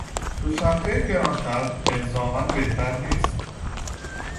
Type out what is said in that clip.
دوچرخه گرانتر الزاما بهتر نیست.